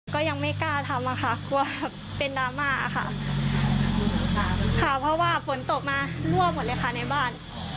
ก็ยังไม่กล้าทำว่าเป็นดราม่าค่ะเพราะว่าฝนตกมารั่วหมดเลยค่ะในบ้าน